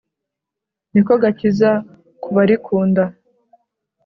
niko gakiza ku barikunda